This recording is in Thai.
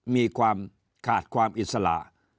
มีความขาดความอิสระ